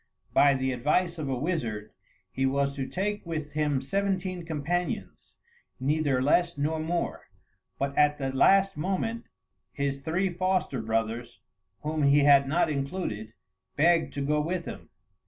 By the advice of a wizard, he was to take with him seventeen companions, neither less nor more; but at the last moment his three foster brothers, whom he had not included, begged to go with him.